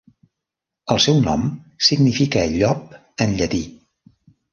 El seu nom significa llop en llatí.